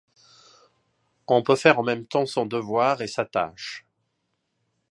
On peut faire en même temps son devoir et sa tâche.